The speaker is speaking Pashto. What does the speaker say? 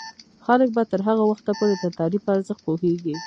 خلک به تر هغه وخته پورې د تعلیم په ارزښت پوهیږي.